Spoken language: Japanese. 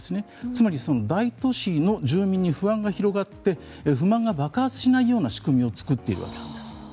つまり大都市の住民に不安が広がって不満が爆発しないような仕組みを作っているわけなんです。